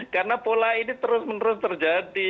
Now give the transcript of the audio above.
karena pola ini terus menerus terjadi